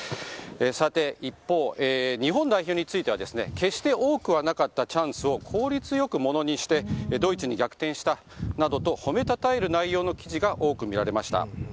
一方、日本代表については決して多くはなかったチャンスを効率よくものにしてドイツに逆転したなどと褒めたたえる内容の記事が多くみられました。